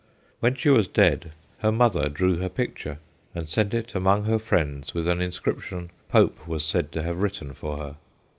When she was dead her mother drew her picture and sent it among her friends with an inscription Pope was said to have written for her.